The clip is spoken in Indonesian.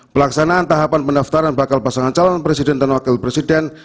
pelaksanaan tahapan pendaftaran bakal pasangan calon presiden dan wakil presiden